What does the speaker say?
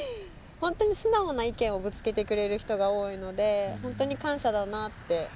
ほんとに素直な意見をぶつけてくれる人が多いのでほんとに感謝だなって。